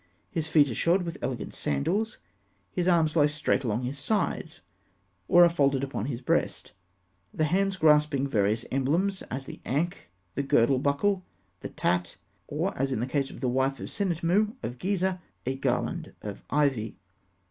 His feet are shod with elegant sandals. His arms lie straight along his sides, or are folded upon his breast, the hands grasping various emblems, as the Ankh, the girdle buckle, the Tat; or, as in the case of the wife of Sennetmû at Gizeh, a garland of ivy.